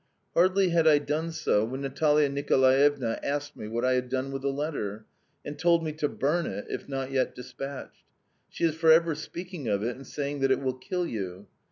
Hardly had I done so when Natalia Nicolaevna asked me what I had done with the letter and told me to burn it if not yet despatched. She is forever speaking of it, and saying that it will kill you.